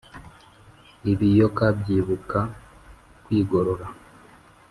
Ibiyoka byibuka kwigorora